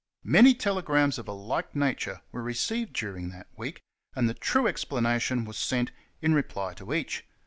Many telegrams of a like nature were received during that week, and the true explanation was sent in reply to each.